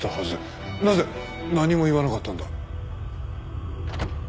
なぜ何も言わなかったんだ？